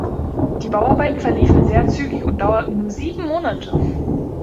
Die Bauarbeiten verliefen sehr zügig und dauerten nur sieben Monate.